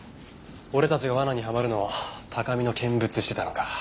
俺たちが罠にはまるのを高みの見物してたのか。